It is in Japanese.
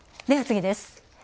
では、次です。